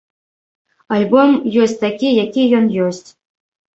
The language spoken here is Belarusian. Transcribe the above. Альбом ёсць такі, які ён ёсць.